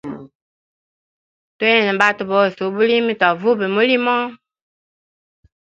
Twene batwe bose ubulimi twavube mulimo.